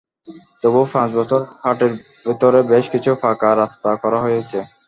তবু পাঁচ বছরে হাটের ভেতরে বেশ কিছু পাকা রাস্তা করা হয়েছে।